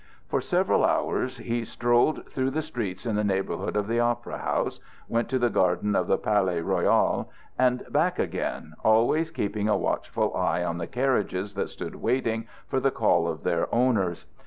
For several hours he strolled through the streets in the neighborhood of the Opera House, went to the garden of the Palais Royal and back again, always keeping a watchful eye on the carriages that stood waiting for the call of their owners.